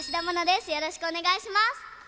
よろしくお願いします！